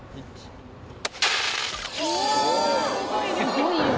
すごいよ。